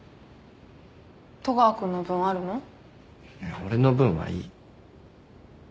俺の分はいい。